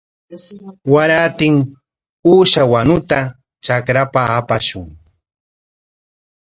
Warantin uusha wanutam trakrapa apashun.